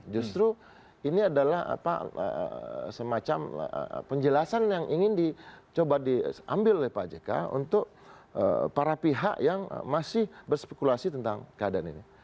justru ini adalah semacam penjelasan yang ingin dicoba diambil oleh pak jk untuk para pihak yang masih berspekulasi tentang keadaan ini